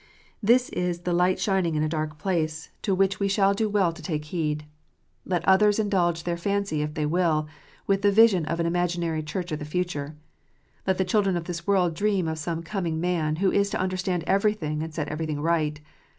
This is the "light shining in a dark place," to 416 KNOTS UNTIED. which we shall do well to take heed. Let others indulge their fancy if they will, with the vision of an imaginary " Church of the future." Let the children of this world dream of some " coming man," who is to understand everything, and set every thing right.